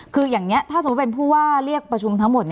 คืออย่างนี้ถ้าสมมุติเป็นผู้ว่าเรียกประชุมทั้งหมด